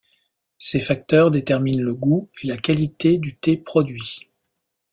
Ces facteurs déterminent le goût et la qualité du thé produit.